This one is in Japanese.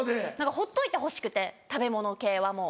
ほっといてほしくて食べ物系はもう。